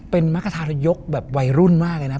เป็นมรรคทายกแบบวัยรุ่นมากเลยนะ